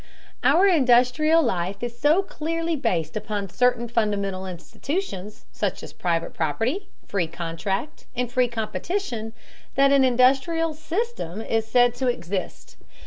Our industrial life is so clearly based upon certain fundamental institutions, such as private property, free contract, and free competition, that an industrial "system" is said to exist.